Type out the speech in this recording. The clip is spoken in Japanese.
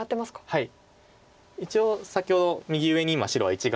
はい。